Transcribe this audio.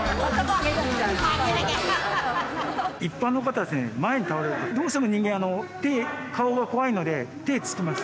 一般の方はですね前に倒れるときどうしても人間顔が怖いので手つきます。